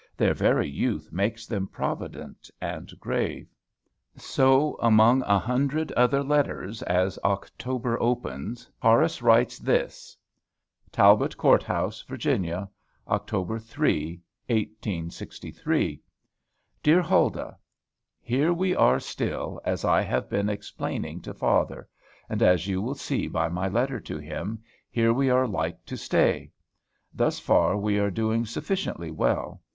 Their very youth makes them provident and grave. So among a hundred other letters, as October opens, Horace writes this: TALBOT COURT HOUSE, VA., Oct. 3, 1863. DEAR HULDAH, Here we are still, as I have been explaining to father; and, as you will see by my letter to him, here we are like to stay. Thus far we are doing sufficiently well.